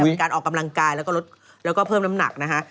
เป็นการออกกำลังกายแล้วก็เพิ่มน้ำหนักนะคะ